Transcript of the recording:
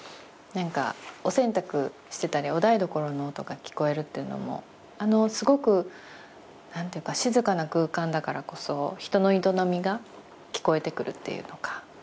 なんかお洗濯してたりお台所の音が聞こえるっていうのもあのすごく何ていうか静かな空間だからこそ人の営みが聞こえてくるっていうのか。